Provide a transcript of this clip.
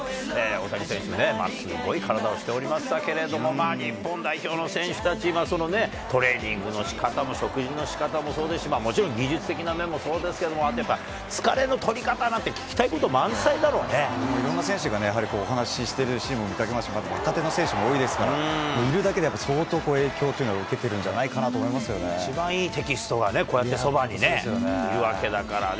大谷選手ね、すごい体をしておりましたけれども、まあ日本代表の選手たち、そのトレーニングのしかたも、食事のしかたもそうですし、もちろん技術的な面もそうですけども、疲れの取り方なんて聞きたいろんな選手がね、やはりお話ししてるシーンも見かけましたが、若手の選手も多いですから、もういるだけで相当、影響っていうのは受けてるんじゃ一番いいテキストがね、こうやってそばにいるわけだからね。